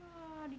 di luar sakit ini